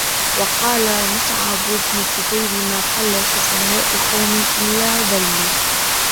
وَقَالَ مُصْعَبُ بْنُ الزُّبَيْرِ مَا قَلَّ سُفَهَاءُ قَوْمٍ إلَّا ذَلُّوا